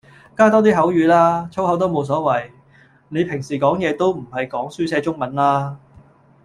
加多啲口語啦，粗口都冇所謂，你平時講嘢都唔係講書寫中文啦